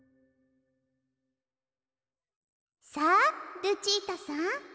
さあルチータさん